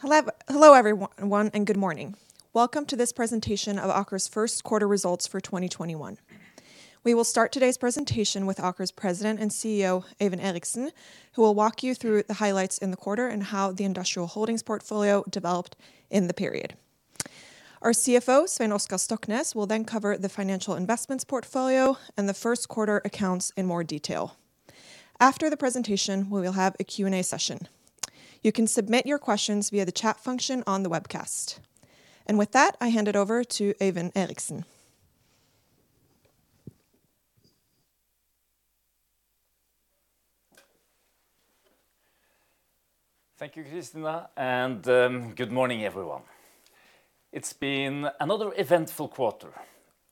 Hello everyone, and good morning. Welcome to this presentation of Aker's first quarter results for 2021. We will start today's presentation with Aker's President and CEO, Øyvind Eriksen, who will walk you through the highlights in the quarter and how the Industrial Holdings portfolio developed in the period. Our CFO, Svein Oskar Stoknes, will then cover the financial investments portfolio and the first quarter accounts in more detail. After the presentation, we will have a Q&A session. You can submit your questions via the chat function on the webcast. With that, I hand it over to Øyvind Eriksen. Thank you, Christina, and good morning, everyone. It's been another eventful quarter,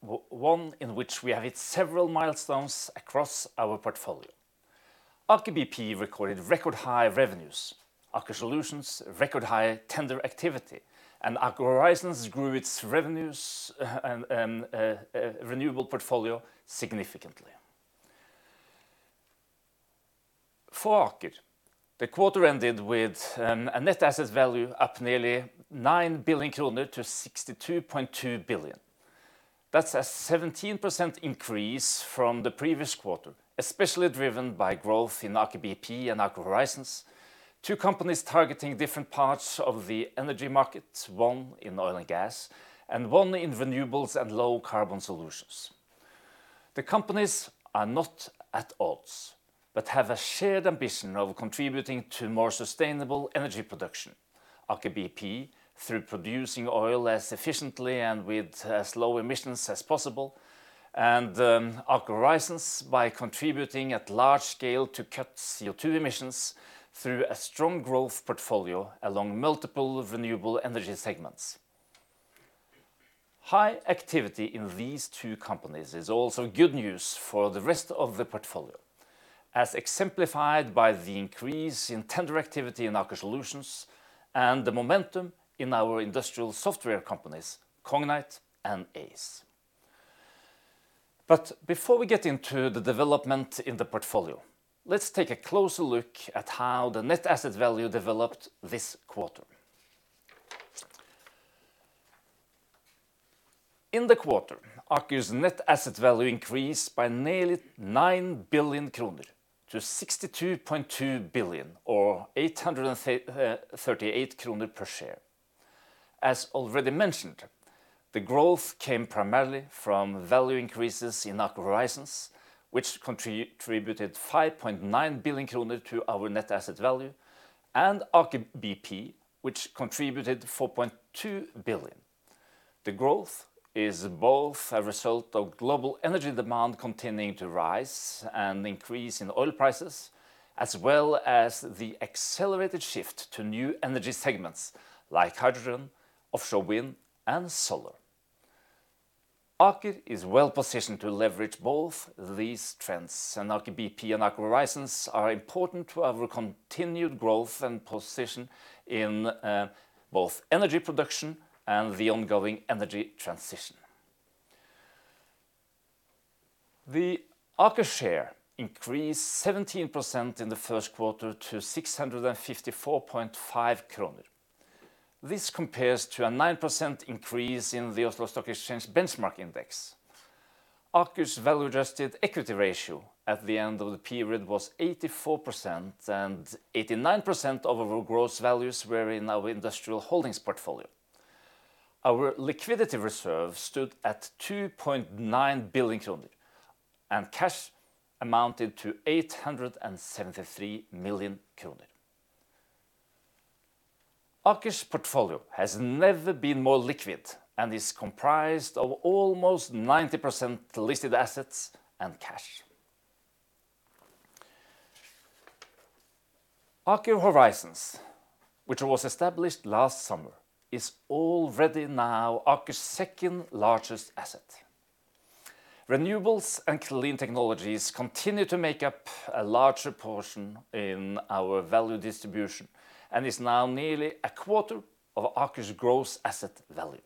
one in which we have hit several milestones across our portfolio. Aker BP recorded record-high revenues, Aker Solutions, record-high tender activity, and Aker Horizons grew its revenues and renewable portfolio significantly. For Aker, the quarter ended with a net asset value up nearly 9 billion kroner to 62.2 billion. That's a 17% increase from the previous quarter, especially driven by growth in Aker BP and Aker Horizons, two companies targeting different parts of the energy market, one in oil and gas and one in renewables and low carbon solutions. The companies are not at odds, but have a shared ambition of contributing to more sustainable energy production. Aker BP, through producing oil as efficiently and with as low emissions as possible, and Aker Horizons, by contributing at large scale to cut CO2 emissions through a strong growth portfolio along multiple renewable energy segments. High activity in these two companies is also good news for the rest of the portfolio, as exemplified by the increase in tender activity in Aker Solutions and the momentum in our industrial software companies, Cognite and Aize. Before we get into the development in the portfolio, let's take a closer look at how the net asset value developed this quarter. In the quarter, Aker's net asset value increased by nearly 9 billion kroner to 62.2 billion or 838 kroner per share. As already mentioned, the growth came primarily from value increases in Aker Horizons, which contributed 5.9 billion kroner to our net asset value, and Aker BP, which contributed 4.2 billion. The growth is both a result of global energy demand continuing to rise and increase in oil prices, as well as the accelerated shift to new energy segments like hydrogen, offshore wind, and solar. Aker is well-positioned to leverage both these trends. Aker BP and Aker Horizons are important to our continued growth and position in both energy production and the ongoing energy transition. The Aker share increased 17% in the first quarter to 654.5 kroner. This compares to a 9% increase in the Oslo Stock Exchange benchmark index. Aker's value-adjusted equity ratio at the end of the period was 84%. 89% of our gross values were in our Industrial Holdings portfolio. Our liquidity reserve stood at 2.9 billion kroner. Cash amounted to 873 million kroner. Aker's portfolio has never been more liquid and is comprised of almost 90% listed assets and cash. Aker Horizons, which was established last summer, is already now Aker's second-largest asset. Renewables and clean technologies continue to make up a larger portion in our value distribution and is now nearly a quarter of Aker's gross asset value.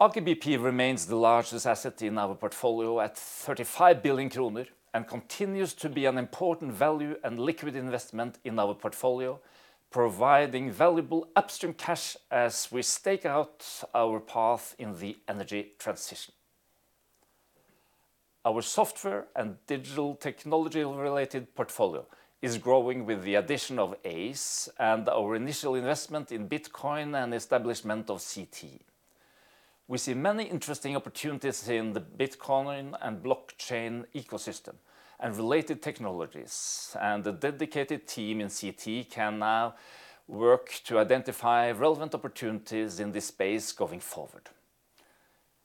Aker BP remains the largest asset in our portfolio at 35 billion kroner and continues to be an important value and liquid investment in our portfolio, providing valuable upstream cash as we stake out our path in the energy transition. Our software and digital technology-related portfolio is growing with the addition of Aize and our initial investment in Bitcoin and establishment of Seetee. We see many interesting opportunities in the Bitcoin and blockchain ecosystem and related technologies, and the dedicated team in Seetee can now work to identify relevant opportunities in this space going forward.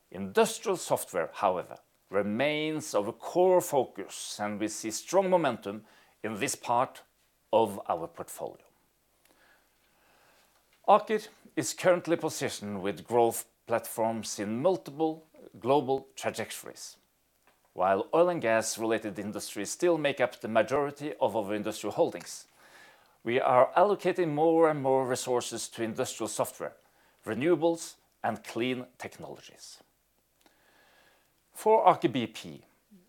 Industrial software, however, remains our core focus, and we see strong momentum in this part of our portfolio. Aker is currently positioned with growth platforms in multiple global trajectories. While oil and gas-related industries still make up the majority of our industrial holdings, we are allocating more and more resources to industrial software, renewables, and clean technologies. For Aker BP,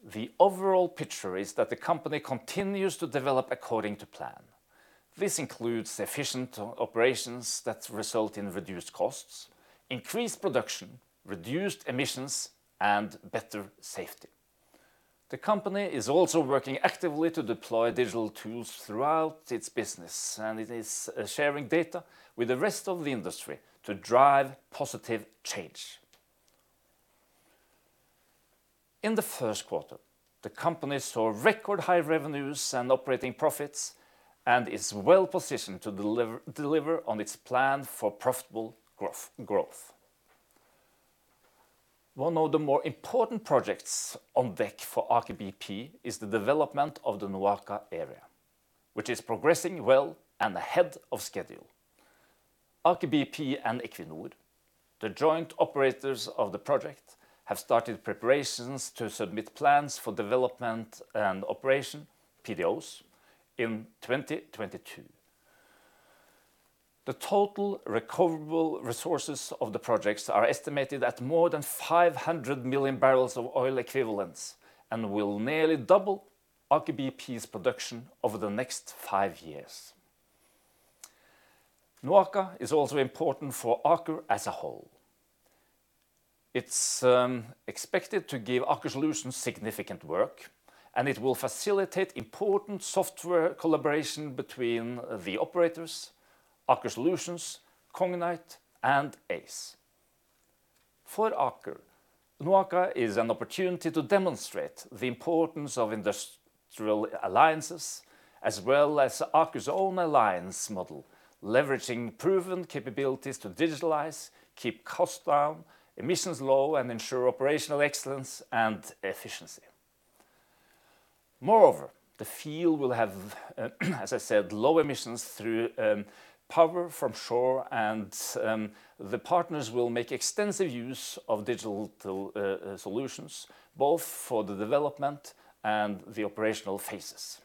the overall picture is that the company continues to develop according to plan. This includes efficient operations that result in reduced costs, increased production, reduced emissions, and better safety. The company is also working actively to deploy digital tools throughout its business, and it is sharing data with the rest of the industry to drive positive change. In the first quarter, the company saw record-high revenues and operating profits and is well-positioned to deliver on its plan for profitable growth. One of the more important projects on deck for Aker BP is the development of the NOAKA area, which is progressing well and ahead of schedule. Aker BP and Equinor, the joint operators of the project, have started preparations to submit plans for development and operation, PDOs, in 2022. The total recoverable resources of the projects are estimated at more than 500 million barrels of oil equivalents and will nearly double Aker BP's production over the next five years. NOAKA is also important for Aker as a whole. It's expected to give Aker Solutions significant work, and it will facilitate important software collaboration between the operators, Aker Solutions, Cognite, and Aize. For Aker, NOAKA is an opportunity to demonstrate the importance of industrial alliances as well as Aker's own alliance model, leveraging proven capabilities to digitalize, keep costs down, emissions low, and ensure operational excellence and efficiency. The field will have, as I said, low emissions through power from shore, and the partners will make extensive use of digital solutions, both for the development and the operational phases.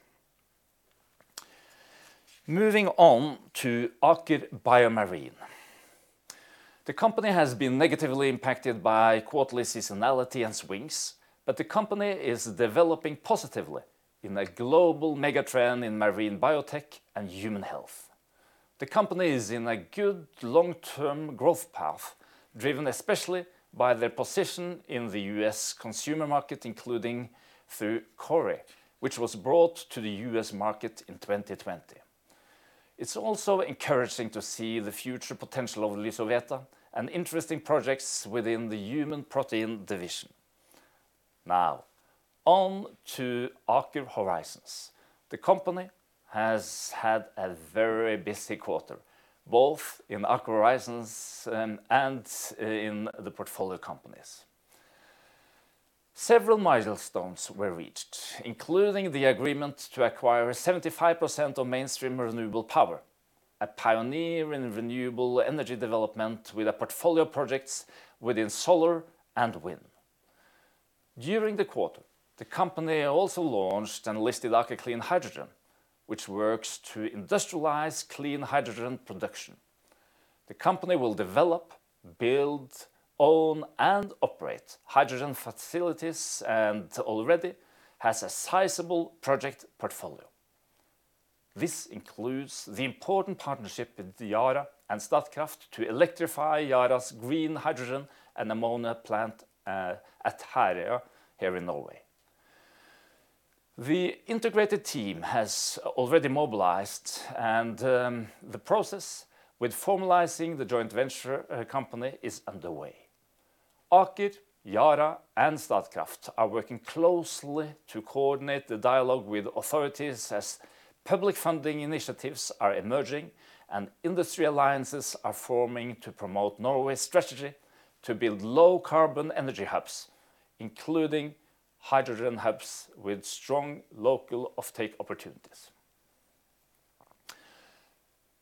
Moving on to Aker BioMarine. The company has been negatively impacted by quarterly seasonality and swings, but the company is developing positively in a global mega-trend in marine biotech and human health. The company is in a good long-term growth path, driven especially by their position in the U.S. consumer market, including through Kori, which was brought to the U.S. market in 2020. It's also encouraging to see the future potential of LYSOVETA and interesting projects within the human protein division. On to Aker Horizons. The company has had a very busy quarter, both in Aker Horizons and in the portfolio companies. Several milestones were reached, including the agreement to acquire 75% of Mainstream Renewable Power, a pioneer in renewable energy development with a portfolio of projects within solar and wind. During the quarter, the company also launched and listed Aker Clean Hydrogen, which works to industrialize clean hydrogen production. The company will develop, build, own, and operate hydrogen facilities, and already has a sizable project portfolio. This includes the important partnership with Yara and Statkraft to electrify Yara's green hydrogen and ammonia plant at Herøya here in Norway. The integrated team has already mobilized and the process with formalizing the joint venture company is underway. Aker, Yara, and Statkraft are working closely to coordinate the dialog with authorities as public funding initiatives are emerging and industry alliances are forming to promote Norway's strategy to build low-carbon energy hubs, including hydrogen hubs with strong local offtake opportunities.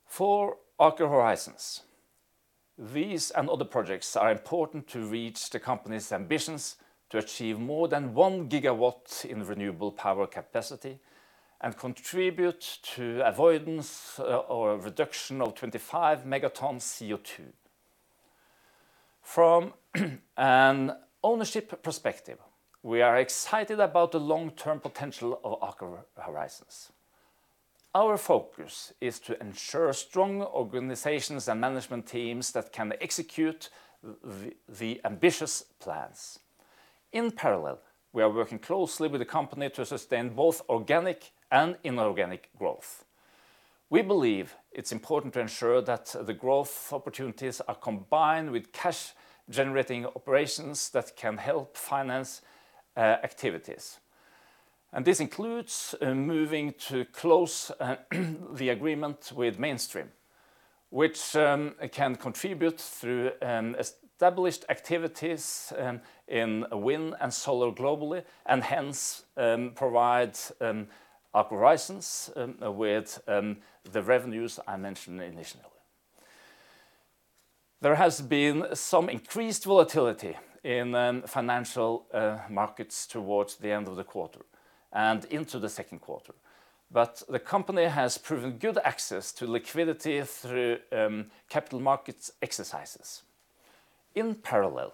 For Aker Horizons, these and other projects are important to reach the company's ambitions to achieve more than one gigawatt in renewable power capacity and contribute to avoidance or reduction of 25 megatonnes CO2. From an ownership perspective, we are excited about the long-term potential of Aker Horizons. Our focus is to ensure strong organizations and management teams that can execute the ambitious plans. In parallel, we are working closely with the company to sustain both organic and inorganic growth. We believe it's important to ensure that the growth opportunities are combined with cash-generating operations that can help finance activities. This includes moving to close the agreement with Mainstream, which can contribute through established activities in wind and solar globally and hence provide Aker Horizons with the revenues I mentioned initially. There has been some increased volatility in financial markets towards the end of the quarter and into the second quarter. The company has proven good access to liquidity through capital markets exercises. In parallel,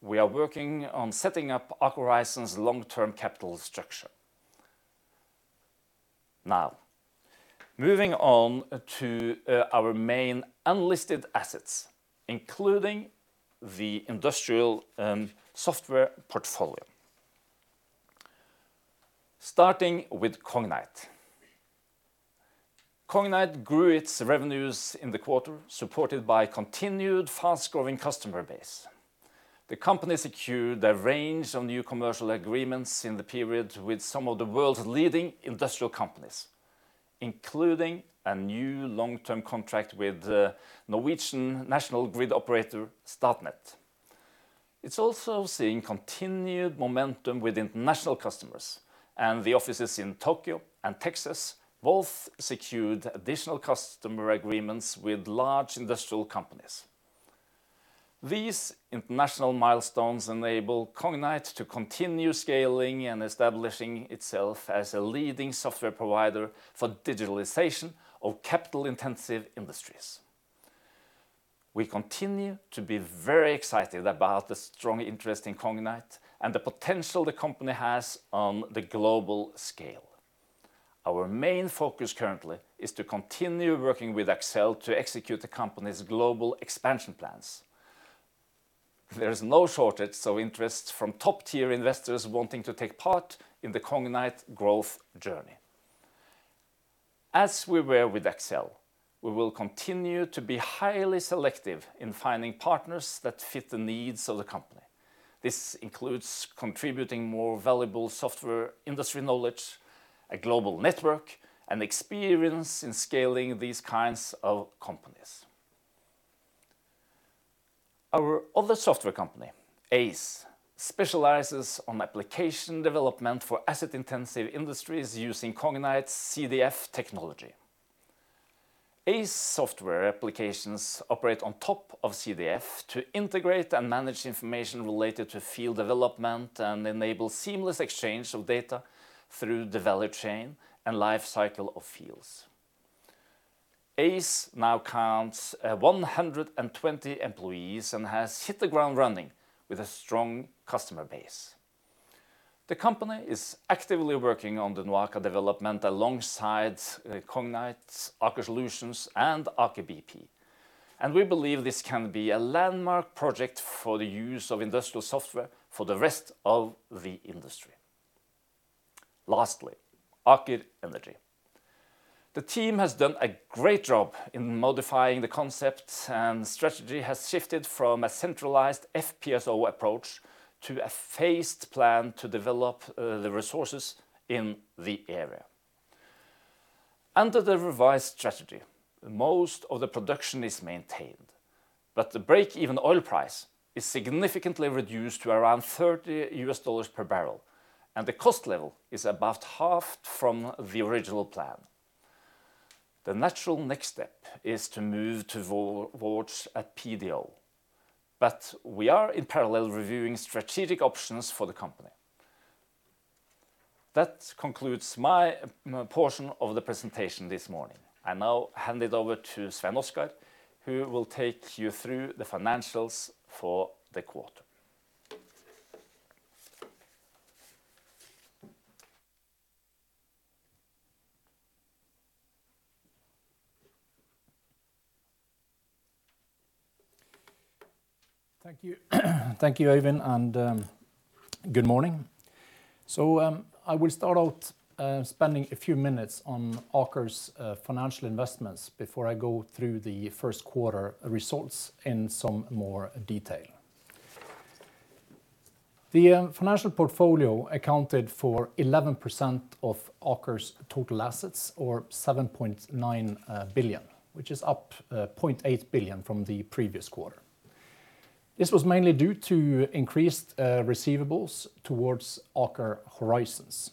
we are working on setting up Aker Horizons' long-term capital structure. Moving on to our main unlisted assets, including the industrial software portfolio. Starting with Cognite. Cognite grew its revenues in the quarter, supported by a continued fast-growing customer base. The company secured a range of new commercial agreements in the period with some of the world's leading industrial companies, including a new long-term contract with the Norwegian national grid operator, Statnett. It's also seeing continued momentum with international customers, and the offices in Tokyo and Texas both secured additional customer agreements with large industrial companies. These international milestones enable Cognite to continue scaling and establishing itself as a leading software provider for digitalization of capital-intensive industries. We continue to be very excited about the strong interest in Cognite and the potential the company has on the global scale. Our main focus currently is to continue working with Accel to execute the company's global expansion plans. There is no shortage of interest from top-tier investors wanting to take part in the Cognite growth journey. As we were with Accel, we will continue to be highly selective in finding partners that fit the needs of the company. This includes contributing more valuable software industry knowledge, a global network, and experience in scaling these kinds of companies. Our other software company, Aize, specializes in application development for asset-intensive industries using Cognite CDF technology. Aize software applications operate on top of CDF to integrate and manage information related to field development and enable seamless exchange of data through the value chain and life cycle of fields. Aize now counts 120 employees and has hit the ground running with a strong customer base. The company is actively working on the NOAKA development alongside Cognite, Aker Solutions, and Aker BP, and we believe this can be a landmark project for the use of industrial software for the rest of the industry. Lastly, Aker Energy. The team has done a great job in modifying the concept, and strategy has shifted from a centralized FPSO approach to a phased plan to develop the resources in the area. Under the revised strategy, most of the production is maintained, the break-even oil price is significantly reduced to around 30 U.S. dollars per barrel, and the cost level is about half from the original plan. The natural next step is to move towards a PDO, but we are in parallel reviewing strategic options for the company. That concludes my portion of the presentation this morning. I now hand it over to Svein Oskar, who will take you through the financials for the quarter. Thank you, Øyvind, and good morning. I will start out spending a few minutes on Aker's financial investments before I go through the first quarter results in some more detail. The financial portfolio accounted for 11% of Aker's total assets, or 7.9 billion, which is up 0.8 billion from the previous quarter. This was mainly due to increased receivables towards Aker Horizons.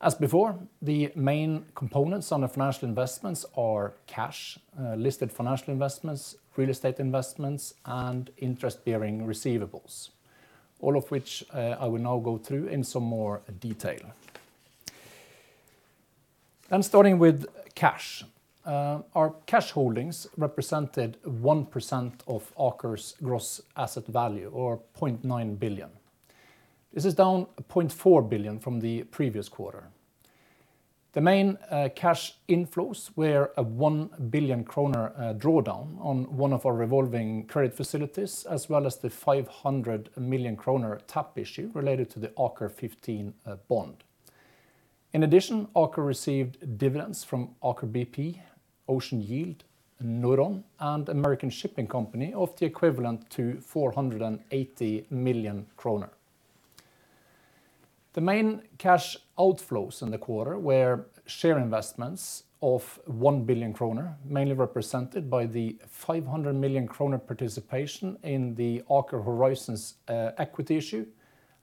As before, the main components on the financial investments are cash, listed financial investments, real estate investments, and interest-bearing receivables. All of which I will now go through in some more detail. I'm starting with cash. Our cash holdings represented 1% of Aker's gross asset value, or 0.9 billion. This is down 0.4 billion from the previous quarter. The main cash inflows were a 1 billion kroner drawdown on one of our revolving credit facilities, as well as the 500 million kroner tap issue related to the AKER15 bond. In addition, Aker received dividends from Aker BP, Ocean Yield, Norron, and American Shipping Company of the equivalent to 480 million kroner. The main cash outflows in the quarter were share investments of 1 billion kroner, mainly represented by the 500 million kroner participation in the Aker Horizons equity issue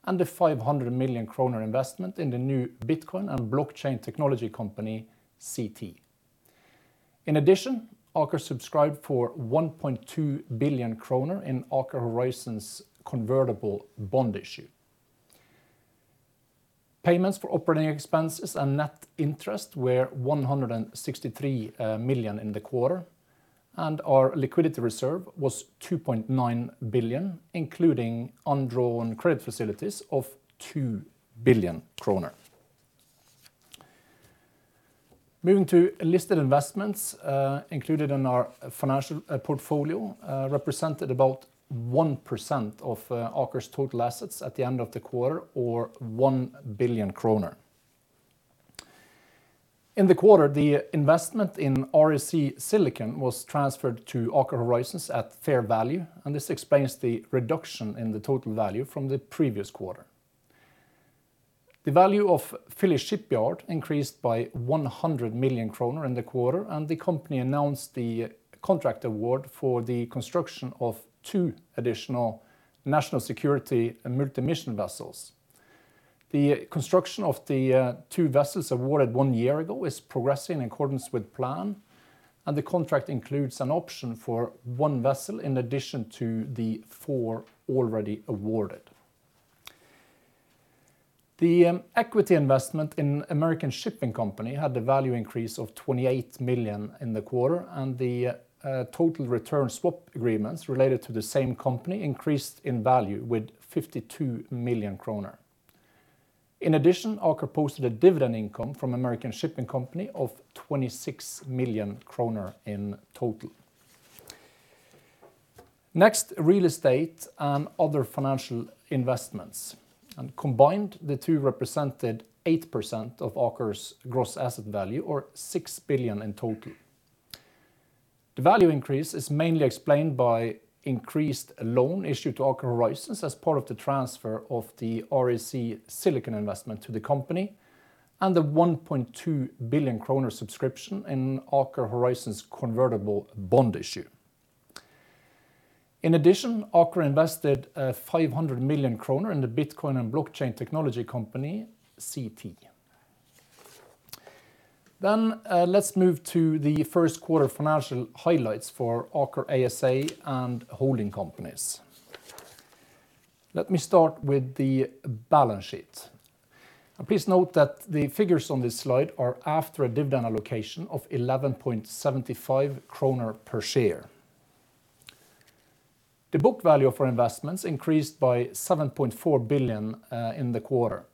and the 500 million kroner investment in the new Bitcoin and blockchain technology company, Seetee. In addition, Aker subscribed for 1.2 billion kroner in Aker Horizons convertible bond issue. Payments for operating expenses and net interest were 163 million in the quarter, and our liquidity reserve was 2.9 billion, including undrawn credit facilities of 2 billion kroner. Moving to listed investments included in our financial portfolio represented about 1% of Aker's total assets at the end of the quarter, or 1 billion kroner. In the quarter, the investment in REC Silicon was transferred to Aker Horizons at fair value. This explains the reduction in the total value from the previous quarter. The value of Philly Shipyard increased by 100 million kroner in the quarter. The company announced the contract award for the construction of two additional national security multi-mission vessels. The construction of the two vessels awarded one year ago is progressing in accordance with plan. The contract includes an option for one vessel in addition to the four already awarded. The equity investment in American Shipping Company had a value increase of 28 million in the quarter, and the total return swap agreements related to the same company increased in value with 52 million kroner. In addition, Aker posted a dividend income from American Shipping Company of 26 million kroner in total. Next, real estate and other financial investments. Combined, the two represented 8% of Aker's gross asset value, or 6 billion in total. The value increase is mainly explained by increased loan issued to Aker Horizons as part of the transfer of the REC Silicon investment to the company and the 1.2 billion kroner subscription in Aker Horizons convertible bond issue. In addition, Aker invested 500 million kroner in the Bitcoin and blockchain technology company, Seetee. Let's move to the first quarter financial highlights for Aker ASA and holding companies. Let me start with the balance sheet. Please note that the figures on this slide are after a dividend allocation of 11.75 kroner per share. The book value of our investments increased by 7.4 billion in the quarter.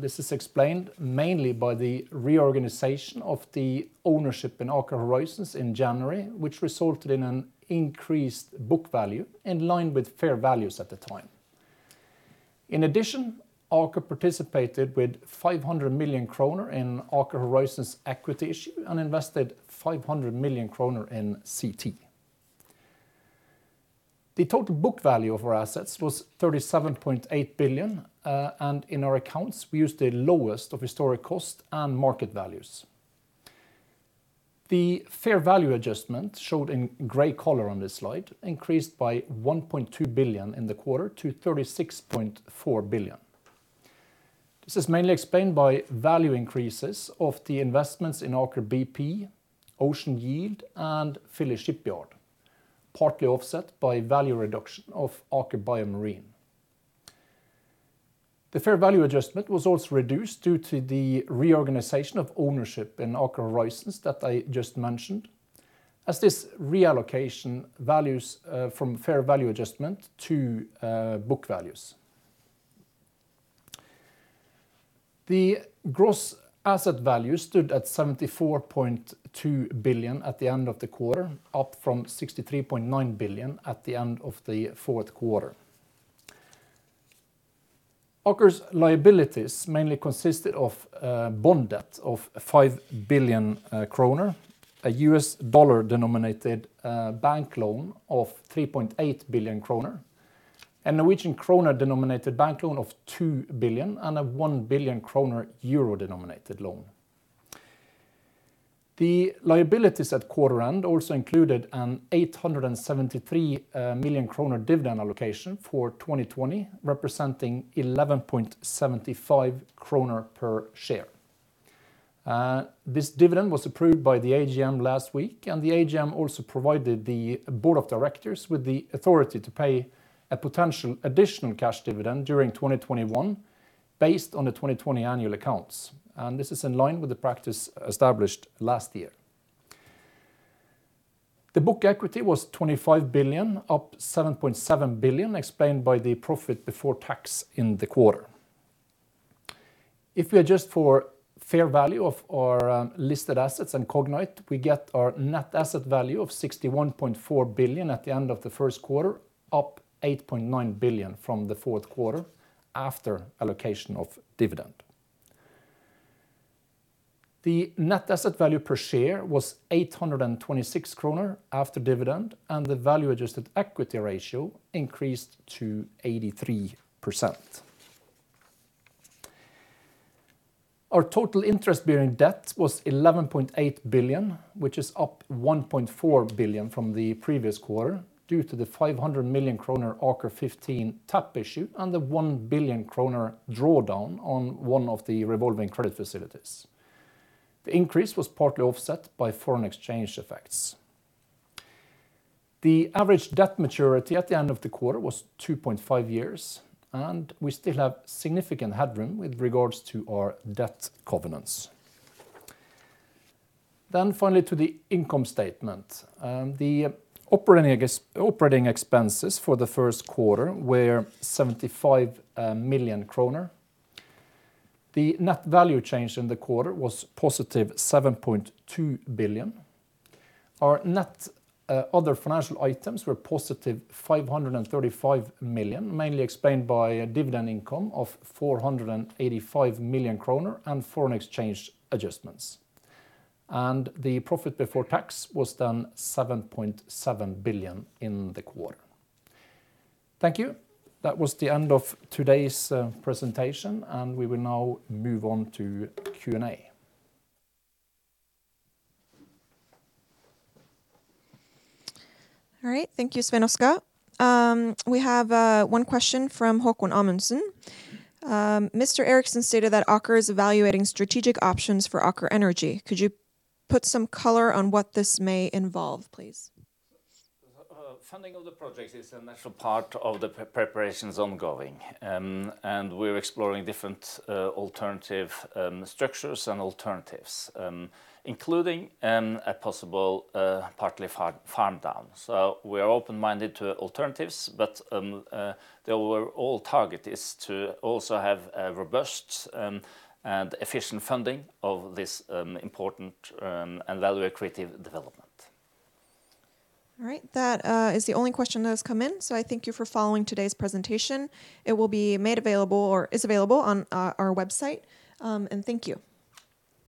This is explained mainly by the reorganization of the ownership in Aker Horizons in January, which resulted in an increased book value in line with fair values at the time. In addition, Aker participated with 500 million kroner in Aker Horizons equity issue and invested 500 million kroner in Seetee. The total book value of our assets was 37.8 billion, and in our accounts we used the lowest of historic cost and market values. The fair value adjustment showed in gray color on this slide increased by 1.2 billion in the quarter to 36.4 billion. This is mainly explained by value increases of the investments in Aker BP, Ocean Yield, and Philly Shipyard, partly offset by value reduction of Aker BioMarine. The fair value adjustment was also reduced due to the reorganization of ownership in Aker Horizons that I just mentioned, as this reallocation values from fair value adjustment to book values. The gross asset value stood at 74.2 billion at the end of the quarter, up from 63.9 billion at the end of the fourth quarter. Aker's liabilities mainly consisted of bond debt of 5 billion kroner, a U.S. dollar-denominated bank loan of 3.8 billion kroner, a Norwegian kroner-denominated bank loan of 2 billion, and a 1 billion kroner euro-denominated loan. The liabilities at quarter end also included a 873 million kroner dividend allocation for 2020, representing 11.75 kroner per share. This dividend was approved by the AGM last week, and the AGM also provided the board of directors with the authority to pay a potential additional cash dividend during 2021 based on the 2020 annual accounts. This is in line with the practice established last year. The book equity was 25 billion, up 7.7 billion, explained by the profit before tax in the quarter. If we adjust for fair value of our listed assets in Cognite, we get our net asset value of 61.4 billion at the end of the first quarter, up 8.9 billion from the fourth quarter after allocation of dividend. The net asset value per share was 826 kroner after dividend, and the value-adjusted equity ratio increased to 83%. Our total interest-bearing debt was 11.8 billion, which is up 1.4 billion from the previous quarter due to the 500 million kroner AKER15 tap issue and the 1 billion kroner drawdown on one of the revolving credit facilities. The increase was partly offset by foreign exchange effects. The average debt maturity at the end of the quarter was 2.5 years, and we still have significant headroom with regards to our debt covenants. Finally to the income statement. The operating expenses for the first quarter were 75 million kroner. The net value change in the quarter was positive 7.2 billion. Our net other financial items were positive 535 million, mainly explained by a dividend income of 485 million kroner and foreign exchange adjustments. The profit before tax was then 7.7 billion in the quarter. Thank you. That was the end of today's presentation, and we will now move on to Q&A. All right. Thank you, Svein Oskar. We have one question from Haakon Amundsen. Mr. Eriksen stated that Aker is evaluating strategic options for Aker Energy. Could you put some color on what this may involve, please? Funding of the project is a natural part of the preparations ongoing, and we're exploring different alternative structures and alternatives, including a possible partly farm down. We are open-minded to alternatives, but our overall target is to also have a robust and efficient funding of this important and value-accretive development. All right. That is the only question that has come in. I thank you for following today's presentation. It will be made available or is available on our website. Thank you.